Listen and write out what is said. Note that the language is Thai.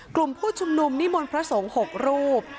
กลุ่มผู้ชุมนุมนิมนต์พระสงฆ์๖รูป